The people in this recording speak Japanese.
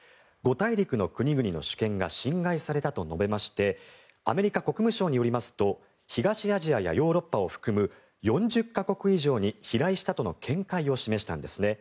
大陸の国々の主権が侵害されたと述べましてアメリカ国務省によりますと東アジアやヨーロッパを含む４０か国以上に飛来したとの見解を示したんです。